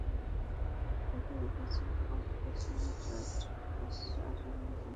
তাঁদের অভিযোগ, ক্ষমতাসীন জোট খসড়া সংবিধানে রাজনৈতিকভাবে বিভক্তিমূলক বিষয় অন্তর্ভুক্ত করতে চায়।